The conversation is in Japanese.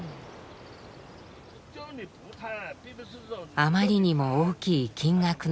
あまりにも大きい金額の差。